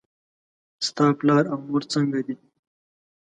ستا پلار او مور څنګه دي؟